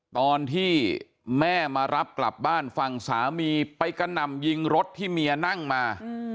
ตอนที่แม่มารับกลับบ้านฝั่งสามีไปกระหน่ำยิงรถที่เมียนั่งมา